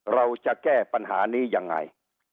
เราจะแก้ปัญหานี้ยังไง